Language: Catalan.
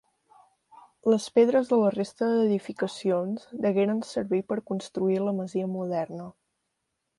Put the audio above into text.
Les pedres de la resta d'edificacions degueren servir per construir la masia moderna.